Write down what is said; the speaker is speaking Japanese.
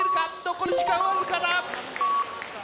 残り時間僅かだ。